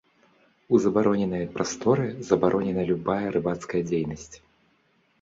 У забароненай прасторы забаронена любая рыбацкая дзейнасць.